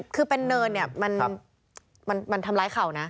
คือเป็นเนินเนี่ยมันทำร้ายเข่านะ